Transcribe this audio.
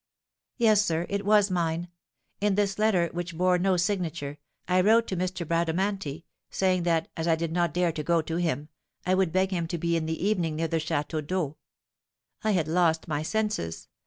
"Yes, sir, it was mine. In this letter, which bore no signature, I wrote to M. Bradamanti, saying that, as I did not dare to go to him, I would beg him to be in the evening near the Château d'Eau. I had lost my senses.